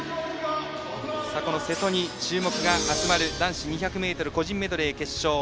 瀬戸に注目が集まる男子２００ｍ個人メドレー決勝。